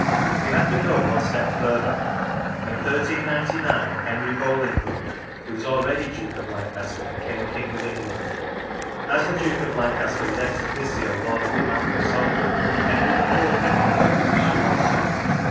We have to go one step further. In 1399 Henry Bolingbroke, who was already Duke of Lancaster, became King of England. As the Duke of Lancaster was ex officio lord of the manor of Salford, Henry IV. would hold that position also.